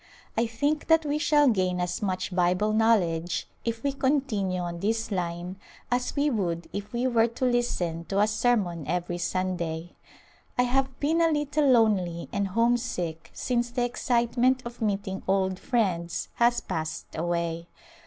1 think that we shall gain as much Bible knowledge, if we continue on this line, as we would if we were to listen to a sermon every Sunday. I have been a little lonely and homesick since the excitement of meeting old friends has passed away.